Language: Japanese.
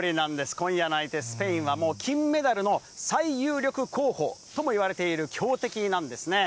今夜の相手、スペインは金メダルの最有力候補ともいわれている強敵なんですね。